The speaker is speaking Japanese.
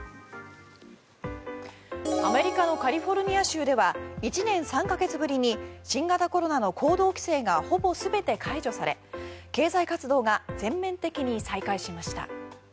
アメリカのカリフォルニア州では１年３か月ぶりに新型コロナの行動規制がほぼ全て解除され、経済活動が全面的に再開しました。